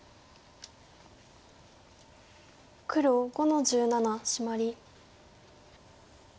黒５の十七シマリ。